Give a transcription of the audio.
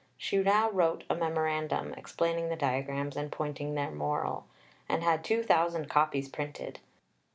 She now wrote a memorandum, explaining the diagrams and pointing their moral, and had 2000 copies printed.